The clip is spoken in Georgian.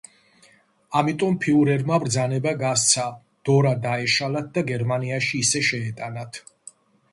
ამიტომ ფიურერმა ბრძანება გასცა დორა დაეშალათ და გერმანიაში ისე შეეტანათ.